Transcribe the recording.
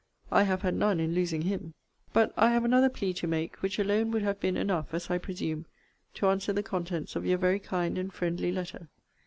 I have had none in losing him. But I have another plea to make, which alone would have been enough (as I presume) to answer the contents of your very kind and friendly letter.